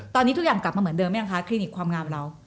ตอนนี้ทุกอย่างกลับมาเหมือนเดิมเนี่ยครีนิความงามเรา